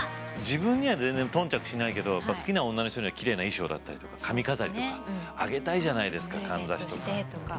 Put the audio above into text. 自分には全然頓着しないけどやっぱ好きな女の人にはきれいな衣装だったりとか髪飾りとかあげたいじゃないですかかんざしとか。